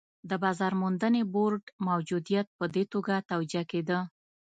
د بازار موندنې بورډ موجودیت په دې توګه توجیه کېده.